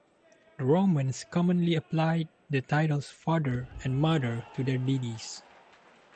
The Romans commonly applied the titles "father" and "mother" to their deities.